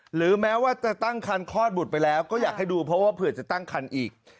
แม้ว่าจะตั้งคันคลอดบุตรไปแล้วก็อยากให้ดูเพราะว่าเผื่อจะตั้งคันอีก